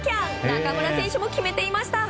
中村選手も決めていました。